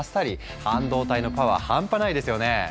半導体のパワーハンパないですよね？